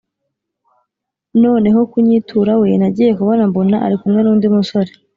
Noneho kunyitura we nagiye kubona mbona arikumwe nundi musore